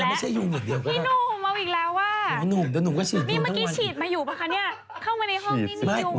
อ้าวอีกแล้ว